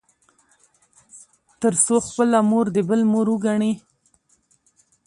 تـر څـو خـپله مـور د بل مور وګـني.